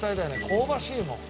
香ばしいもん。